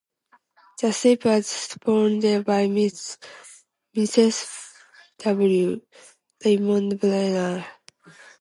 The ship was sponsored by Mrs. W. Raymond Brendel.